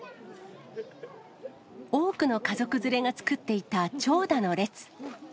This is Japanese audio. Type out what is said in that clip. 多くの家族連れが作っていた長蛇の列。